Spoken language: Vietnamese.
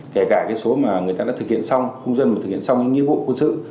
kể cả cái số mà người ta đã thực hiện xong công dân mà thực hiện xong những nghĩa vụ quân sự